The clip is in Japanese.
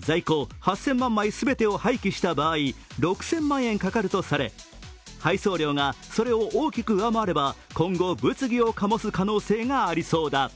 在庫８０００万枚全てを廃棄した場合６０００万円かかるとされ、配送料がそれを大きく上回れば今後、物議を醸す可能性がありそうだ。